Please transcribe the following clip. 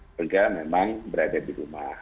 bergantung pada kegiatan di rumah